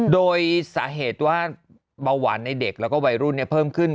โดยสาเหตุว่าเบาหวานในเด็กแล้วก็วัยรุ่นเพิ่มขึ้น